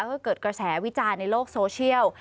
ก็เกิดกระแสวิจารณ์ในโลกโซเชียล